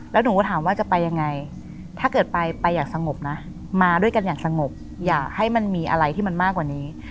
แล้วหนูก็ถามว่าจะไปยังไงถ้าเกิดไปไปอย่างสงบนะมาด้วยกันอย่างสงบอย่าให้มันมีอะไรที่มันมากกว่านี้